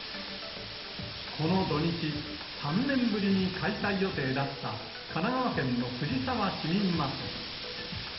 この土日、３年ぶりに開催予定だった神奈川県の藤沢市民祭り。